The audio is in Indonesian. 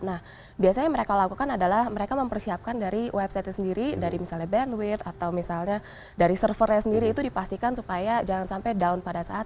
nah biasanya yang mereka lakukan adalah mereka mempersiapkan dari website nya sendiri dari misalnya bandwidth atau misalnya dari server nya sendiri itu dipastikan supaya jangan sampai down pada e commerce